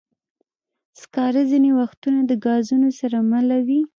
سکاره ځینې وختونه د ګازونو سره مله وي.